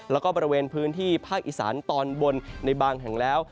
แล้วก็บริเวณพื้นที่ภาคอีสานตอนบนในบางแห่งแล้ว